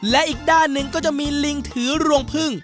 และอีกด้านหนึ่งก็จะมีลิงถือรวงพึ่ง